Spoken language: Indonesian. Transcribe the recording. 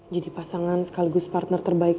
jadi pasangan sekaligus partner terbaik